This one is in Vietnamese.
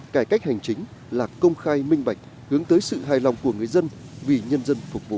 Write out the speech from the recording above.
cải cách hành chính là công khai minh bạch hướng tới sự hài lòng của người dân vì nhân dân phục vụ